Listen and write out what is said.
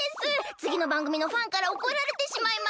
つぎのばんぐみのファンからおこられてしまいます！